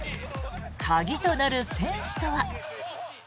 鍵となる選手とは？